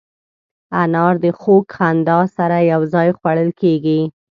انار د خوږ خندا سره یو ځای خوړل کېږي.